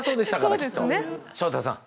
昇太さん。